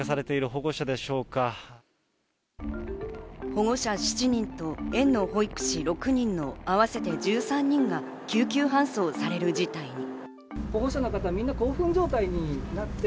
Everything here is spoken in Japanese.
保護者７人と園の保育士６人のあわせて１３人が救急搬送される事態に。